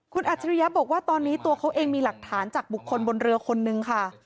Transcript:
คุณอัจฉริยะบอกว่าตอนนี้ตัวเขาเองมีหลักฐานจากบุคคลบนเรือคนนึงค่ะ